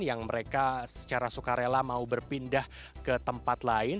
yang mereka secara sukarela mau berpindah ke tempat lain